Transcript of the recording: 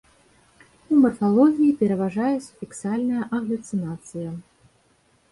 У марфалогіі пераважае суфіксальная аглюцінацыя.